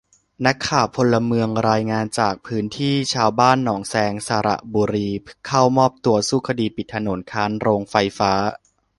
นักข่าวพลเมืองรายงานจากพื้นที่ ชาวบ้านหนองแซง สระบุรี เข้ามอบตัว สู้คดีปิดถนนค้านโรงไฟฟ้า